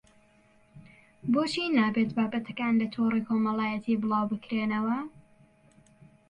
بۆچی نابێت بابەتەکان لە تۆڕی کۆمەڵایەتی بڵاوبکرێنەوە